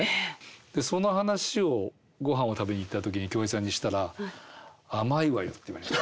その話をごはんを食べに行った時に京平さんにしたら甘いわよって言われました。